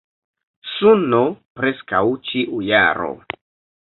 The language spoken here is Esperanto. Suno preskaŭ ĉiu jaro.